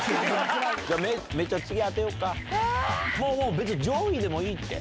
別に上位でもいいって。